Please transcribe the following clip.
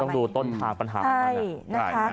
มันต้องดูต้นทางปัญหาของเขานะ